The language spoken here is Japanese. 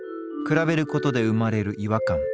比べることで生まれる違和感。